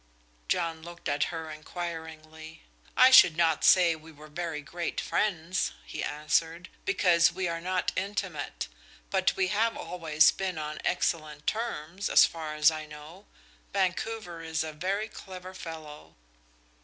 John looked at her inquiringly. "I should not say we were very great friends," he answered, "because we are not intimate; but we have always been on excellent terms, as far as I know. Vancouver is a very clever fellow."